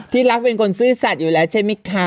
รักเป็นคนซื่อสัตว์อยู่แล้วใช่ไหมคะ